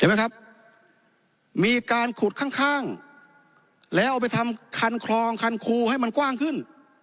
ครับมีการขุดข้างข้างแล้วเอาไปทำคันคลองคันคูให้มันกว้างขึ้น